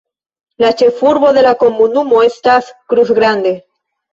La ĉefurbo de la komunumo estas Cruz Grande.